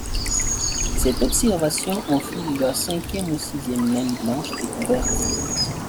Cette observation en fit la cinquième ou sixième naine blanche découverte.